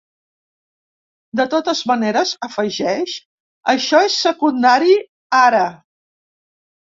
De totes maneres, afegeix: Això és secundari ara.